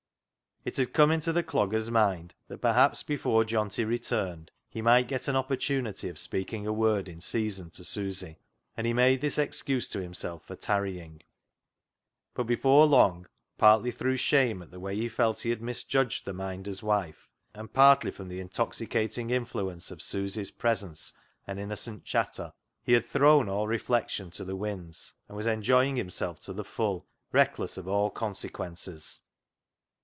It had come into the dogger's mind that perhaps before Johnty returned he might get an opportunity of speaking a word in season to Susy, and he made this excuse to himself for tarrying, but before long, partly through shame at the way he felt he had misjudged the Minder's wife, and partly from the intoxi cating influence of Susy's presence and innocent i86 CLOG SHOP CHRONICLES chatter, he had thrown all reflection to the winds, and was enjoying himself to the full, reckless of all consequences.